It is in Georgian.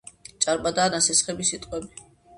ჭარბადაა ნასესხები სიტყვები.